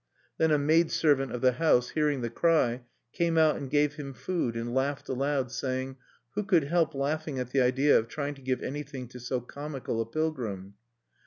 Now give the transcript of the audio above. Then a maid servant of the house, hearing the cry, came out and gave him food, and laughed aloud, saying: "Who could help laughing at the idea of trying to give anything to so comical a pilgrim?"